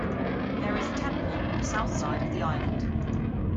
There is a temple on the south side of the island.